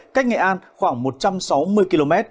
cách nghệ an khoảng một trăm sáu mươi km